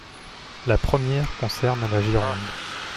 La première concerne la Gironde.